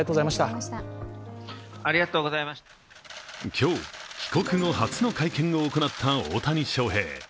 今日、帰国後初の会見を行った大谷翔平。